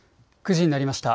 ９時になりました。